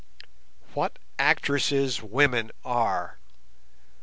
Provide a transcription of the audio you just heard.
What actresses women are!